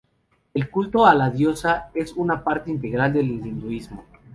El culto a la diosa es una parte integral en el hinduismo.